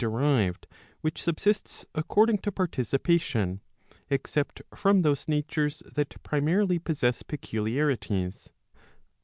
derived which subsists according to participation, except from those natures that primarily possess peculiarities?